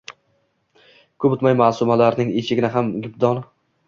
Koʼp oʼtmay Maʼsumalarning eshigini ham gapdon